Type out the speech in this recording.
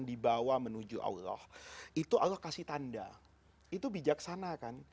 itu allah kasih tanda itu bijaksana kan